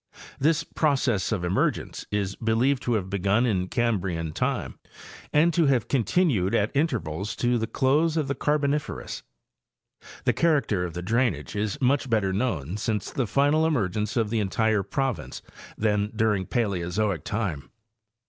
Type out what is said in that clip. This process of emergence is believed to have begun in Cambrian time and to have continued at intervals to the close of the Carboniferous. 'The character of the drainage is much better known since the final emergence of the entire province than during Paleozoic time.